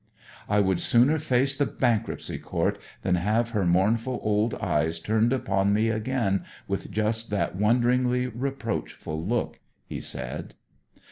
"I would sooner face the Bankruptcy Court than have her mournful old eyes turned upon me again with just that wonderingly reproachful look," he said.